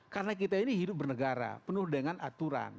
karena kita ini hidup bernegara penuh dengan aturan